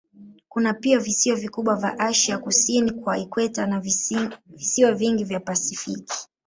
Kuna pia visiwa vikubwa vya Asia kusini kwa ikweta na visiwa vingi vya Pasifiki.